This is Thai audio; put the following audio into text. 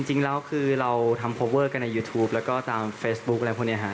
จริงแล้วคือเราทำโพเวอร์กันในยูทูปแล้วก็ตามเฟซบุ๊คอะไรพวกนี้ฮะ